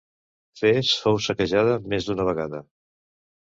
Fes fou saquejada més d'una vegada.